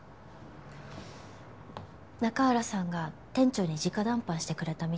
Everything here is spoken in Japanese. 中原さんが店長に直談判してくれたみたいです。